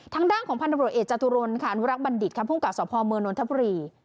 ทางด้านของพันธบริเวศจตุรนค่ะนุรักษณ์บัณฑิตครับภูมิกับสอบภอมเมอร์โน้นทะพรี